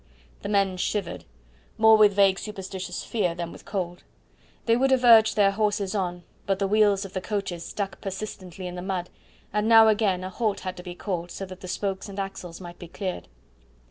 The men shivered more with vague superstitious fear than with cold. They would have urged their horses on, but the wheels of the coaches stuck persistently in the mud, and now and again a halt had to be called so that the spokes and axles might be cleared.